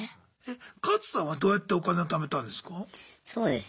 カツさんはどうやってお金を貯めたんですか？